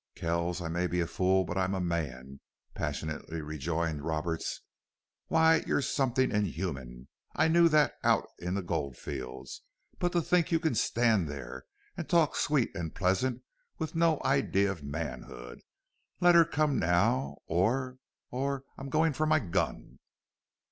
"Kells, I may be a fool, but I'm a man," passionately rejoined Roberts. "Why, you're somethin' inhuman! I knew that out in the gold fields. But to think you can stand there an' talk sweet an' pleasant with no idee of manhood!... Let her come now or or I'm a goin' for my gun!"